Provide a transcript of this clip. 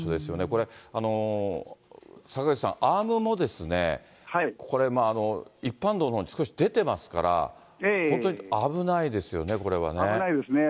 これ、坂口さん、アームもこれまあ、一般道のほうに少し出てますから、本当に危ないですよね、危ないですね。